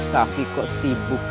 tapi kok sibuk